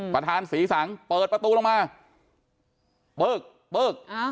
ประธานศรีสังเปิดประตูลงมาปึ๊กปึ๊ก